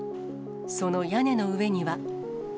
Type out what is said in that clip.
その屋根の上には。